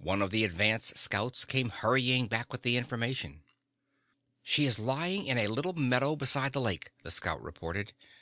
One of the advance scouts came hurrying back with the information. "She is lying in a little meadow beside the lake," the scout reported.